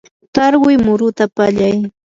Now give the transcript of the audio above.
tarwi muruta pallay.